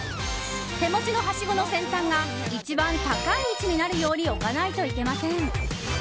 手持ちのはしごの先端が一番高い位置になるように置かないといけません。